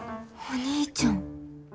お兄ちゃん。